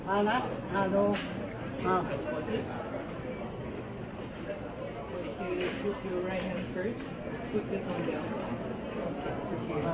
อันนี้คือ๑จานที่คุณคุณค่อยอยู่ด้านข้างข้างนั้น